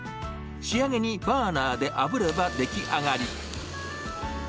仕上げにバーナーであぶれば出来上がり。